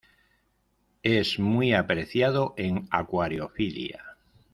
Es muy apreciado en acuariofilia.